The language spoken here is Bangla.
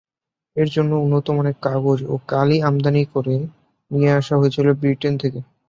এর জন্য উন্নতমানের কাগজ ও কালি আমদানি ক’রে নিয়ে আসা হয়েছিল ব্রিটেন থেকে।